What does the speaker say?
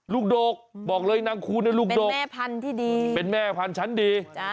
ดกบอกเลยนางคูณลูกดกแม่พันธุ์ที่ดีเป็นแม่พันธุ์ชั้นดี